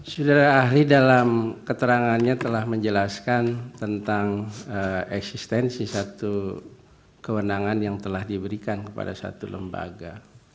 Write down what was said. saudara ahli dalam keterangannya telah menjelaskan tentang eksistensi satu kewenangan yang telah diberikan kepada satu lembaga